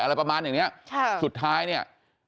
อะไรประมาณอย่างเนี้ยใช่สุดท้ายเนี่ย